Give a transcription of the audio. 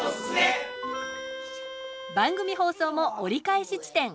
番組放送も折り返し地点。